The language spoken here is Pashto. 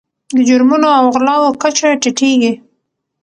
د جرمونو او غلاو کچه ټیټیږي.